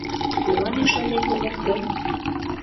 Кӧлан ӱшанен улыт гын?!